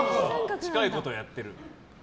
近いことはやってる。